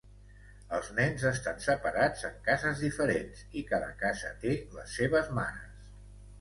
Els nens estan separats en cases diferents i cada casa té les seves "mares".